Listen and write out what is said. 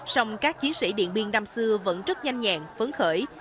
song các chiến sĩ điện biên năm xưa vẫn rất nhanh nhẹn phấn khởi